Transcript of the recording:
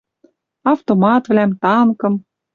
Автоматвлӓм, танкым.